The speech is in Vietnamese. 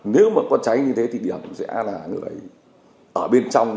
nếu mà có cháy như thế thì điểm sẽ là người ở bên trong